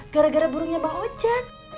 gara gara burungnya bang oce